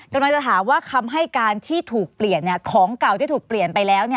กำลังจะถามว่าคำให้การที่ถูกเปลี่ยนของเก่าที่ถูกเปลี่ยนไปแล้ว